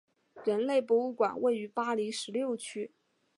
人类博物馆位于巴黎十六区。